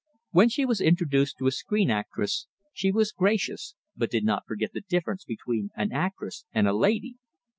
When she was introduced to a screen actress, she was gracious, but did not forget the difference between an actress and a lady.